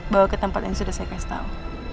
bawa ke tempat yang sudah saya kasih tahu